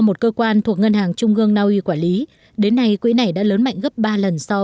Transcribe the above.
một cơ quan thuộc ngân hàng trung gương naui quản lý đến nay quỹ này đã lớn mạnh gấp ba lần so